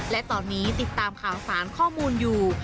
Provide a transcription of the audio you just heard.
และตอนนี้ติดตามข่าวสารข้อมูลอยู่